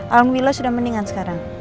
alhamdulillah sudah mendingan sekarang